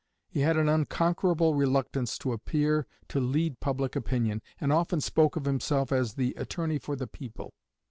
He had an unconquerable reluctance to appear to lead public opinion, and often spoke of himself as the "attorney for the people."